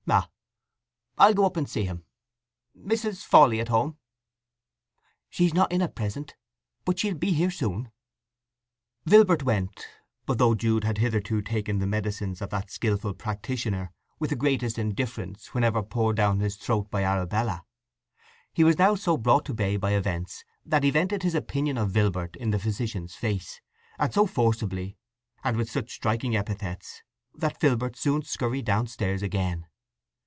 "Ah. I'll go up and see him. Mrs. Fawley at home?" "She's not in at present, but she'll be here soon." Vilbert went; but though Jude had hitherto taken the medicines of that skilful practitioner with the greatest indifference whenever poured down his throat by Arabella, he was now so brought to bay by events that he vented his opinion of Vilbert in the physician's face, and so forcibly, and with such striking epithets, that Vilbert soon scurried downstairs again.